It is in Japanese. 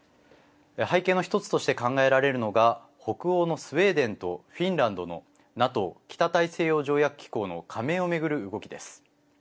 背景の１つとして考えられるのが北欧のスウェーデンとフィンランドのＮＡＴＯ＝北大西洋条約機構の加盟を巡る動きです。